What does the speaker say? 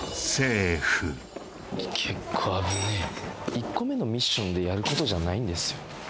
１個目のミッションでやることじゃないんですよ